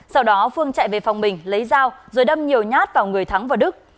sau đó phương chạy về phòng bình lấy dao rồi đâm nhiều nhát vào người thắng và đức